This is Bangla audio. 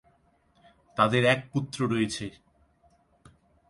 তাদের এক পুত্র রয়েছে।